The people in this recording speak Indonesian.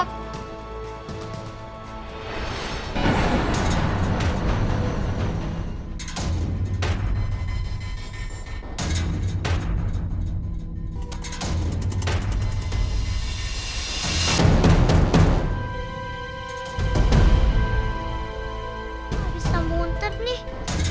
gak bisa muncul nih